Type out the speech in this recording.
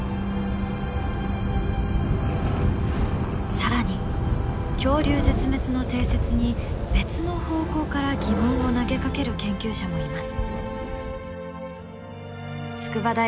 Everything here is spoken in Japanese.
更に恐竜絶滅の定説に別の方向から疑問を投げかける研究者もいます。